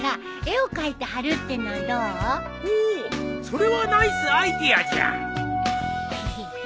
それはナイスアイデアじゃ。